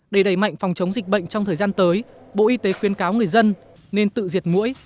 để đẩy mạnh phòng chống dịch bệnh trong thời gian tới bộ y tế khuyên cáo người dân nên tự diệt mũi